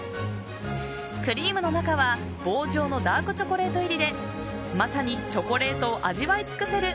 クリームの中は棒状のダークチョコレート入りでまさにチョコレートを味わい尽くせる